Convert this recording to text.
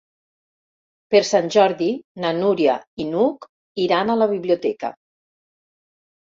Per Sant Jordi na Núria i n'Hug iran a la biblioteca.